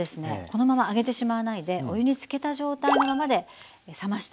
このまま上げてしまわないでお湯につけた状態のままで冷ましていきます。